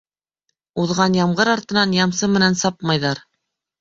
Уҙған ямғыр артынан ямсы менән сапмайҙар.